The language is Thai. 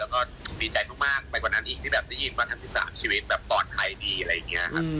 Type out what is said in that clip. แล้วก็ดีใจมากไปกว่านั้นอีกที่แบบได้ยินว่าทั้ง๑๓ชีวิตแบบปลอดภัยดีอะไรอย่างนี้ครับ